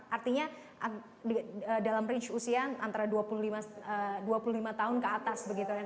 artinya dalam range usian antara dua puluh lima tahun ke atas